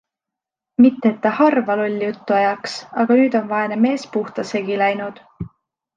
Mitte, et ta harva lolli juttu ajaks, aga nüüd on vaene mees puhta segi läinud.